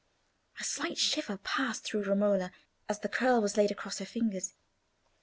A slight shiver passed through Romola as the curl was laid across her fingers.